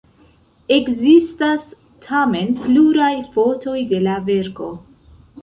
Ekzistas tamen pluraj fotoj de la verko.